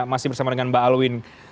masih bersama dengan mbak alwin